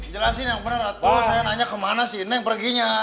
jelasin yang bener atuh saya nanya kemana si neng perginya